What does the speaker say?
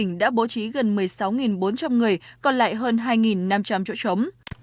gần một mươi sáu bốn trăm linh người còn lại hơn hai năm trăm linh chỗ chống